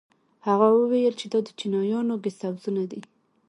هغه وويل چې دا د چينايانو ګسټ هوزونه دي.